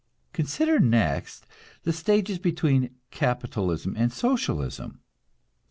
Consider next the stages between capitalism and Socialism.